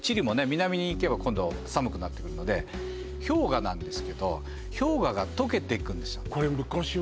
南に行けば今度寒くなってくるので氷河なんですけど氷河がとけていくんですよ